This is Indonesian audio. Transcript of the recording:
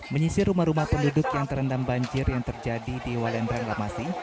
menyisir rumah rumah penduduk yang terendam banjir yang terjadi di walendrang lamasi